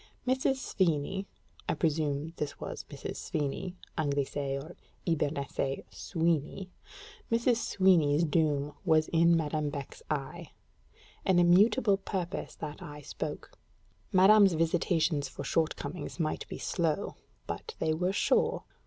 Mrs. Svini (I presume this was Mrs. Svini, Anglicé or Hibernicé Sweeny) Mrs. Sweeny's doom was in Madame Beck's eye an immutable purpose that eye spoke: madame's visitations for shortcomings might be slow, but they were sure.